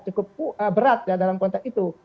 cukup berat ya dalam konteks itu